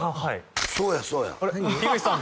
そうやそうや何？